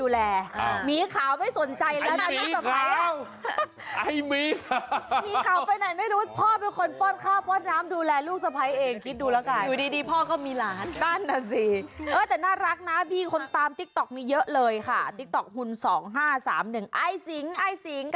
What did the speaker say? เรียบร้อยเพื่อน